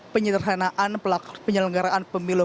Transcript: penyederhanaan pelaku penyelenggaraan pemilu